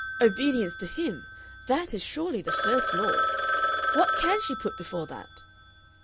Obedience to him, that is surely the first law. What CAN she put before that?"